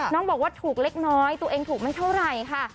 น้องบอกว่าถูกเล็กน้อยตัวเองถูกไม่เท่าไหร่ค่ะ